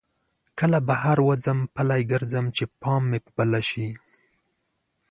کله بهر وځم پلی ګرځم چې پام مې په بله شي.